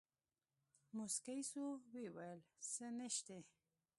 موسکى سو ويې ويل سه نيشتې.